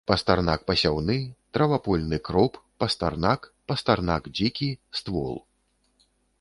Пастарнак пасяўны, травапольны кроп, пастарнак, пастарнак дзікі, ствол.